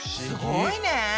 すごいね。